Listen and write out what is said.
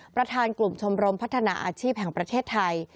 ประธานกลุ่มชมรมพัฒนาอาชีพแห่งประเทศไทย